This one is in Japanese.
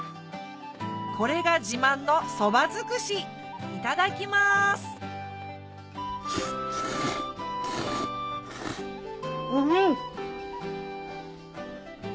これが自慢のそばづくしいただきますうん！